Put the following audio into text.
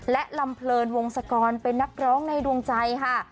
และลำเพลินวงศกรเป็นนักร้องในดวงใจค่ะ